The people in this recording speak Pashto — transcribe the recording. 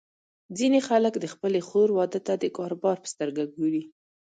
ځینې خلک د خپلې خور واده ته د کاروبار په سترګه ګوري.